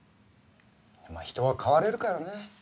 まあ人は変われるからね。